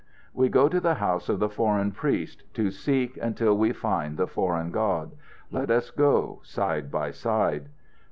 "We go to the house of the foreign priest to seek until we find the foreign God. Let us go side by side."